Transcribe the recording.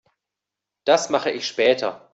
Das mache ich später.